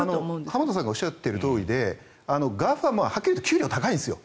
浜田さんがおっしゃっているとおりでＧＡＦＡははっきり言って給料が高いんですよ。